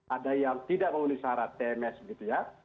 ada yang tidak memenuhi syarat tms gitu ya